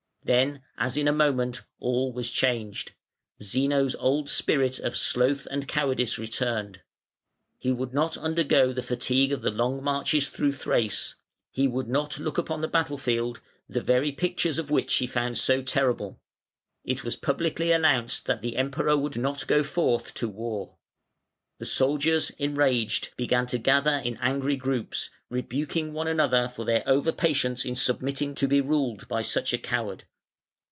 Then, as in a moment, all was changed. Zeno's old spirit of sloth and cowardice returned. He would not undergo the fatigue of the long marches through Thrace, he would not look upon the battle field, the very pictures of which he found so terrible; it was publicly announced that the Emperor would not go forth to war. The soldiers, enraged, began to gather in angry groups, rebuking one another for their over patience in submitting to be ruled by such a coward.